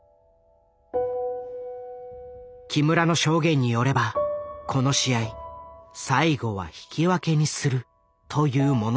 木村の証言によればこの試合最後は引き分けにするというものだった。